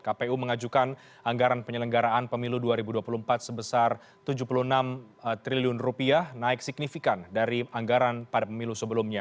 kpu mengajukan anggaran penyelenggaraan pemilu dua ribu dua puluh empat sebesar rp tujuh puluh enam triliun naik signifikan dari anggaran pada pemilu sebelumnya